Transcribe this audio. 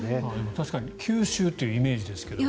確かに九州というイメージですけどね。